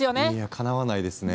かなわないですね。